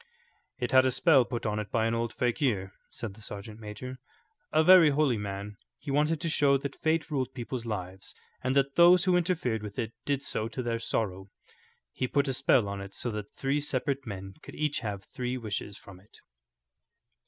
"It had a spell put on it by an old fakir," said the sergeant major, "a very holy man. He wanted to show that fate ruled people's lives, and that those who interfered with it did so to their sorrow. He put a spell on it so that three separate men could each have three wishes from it."